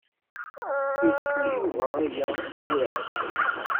Yekfa Yuba aya ayyur iɛeddan.